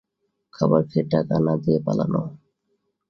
খাবার খেয়ে টাকা না দিয়ে পালানো?